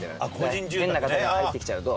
変な方が入ってきちゃうと。